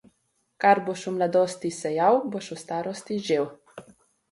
Kar boš v mladosti sejal, boš v starosti žel.